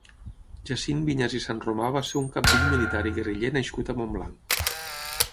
Jacint Viñas i Sanromà va ser un cabdill militar i guerriller nascut a Montblanc.